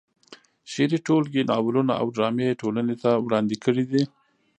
شعري ټولګې، ناولونه او ډرامې یې ټولنې ته وړاندې کړې دي.